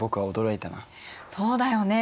そうだよね。